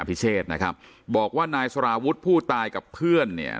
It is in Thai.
พิเชษนะครับบอกว่านายสารวุฒิผู้ตายกับเพื่อนเนี่ย